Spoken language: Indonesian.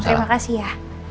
terima kasih ya